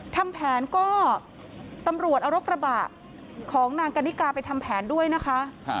ทำแผนก็ตำรวจเอารถกระบะของนางกันนิกาไปทำแผนด้วยนะคะ